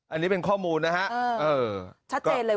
อันนี้เป็นข้อมูลนะครับ